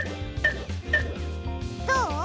どう？